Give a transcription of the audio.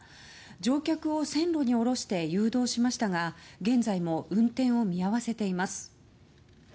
乗客を路線に下ろして誘導しましたが現在も運転を見合わせています。